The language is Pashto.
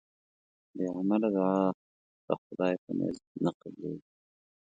بی عمله دوعا د خدای ج په نزد نه قبلېږي